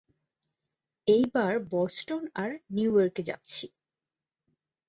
এইবার বষ্টন আর নিউ ইয়র্কে যাচ্ছি।